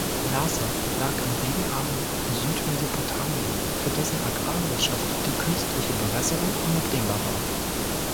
Larsa lag im regenarmen Südmesopotamien, für dessen Agrarwirtschaft die künstliche Bewässerung unabdingbar war.